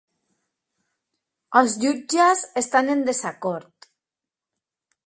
Els jutges estan en desacord.